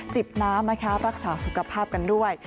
จิบน้ำนะคะรักษาสุขภาพกันด้วย